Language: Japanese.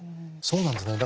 そうなんですね。